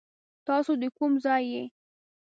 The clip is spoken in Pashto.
تاسو دا کوم ځای يي ؟